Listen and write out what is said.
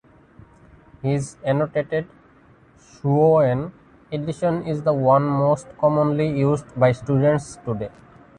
His annotated "Shuowen" edition is the one most commonly used by students today.